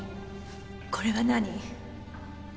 これは何？